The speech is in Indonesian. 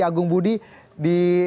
agung budi di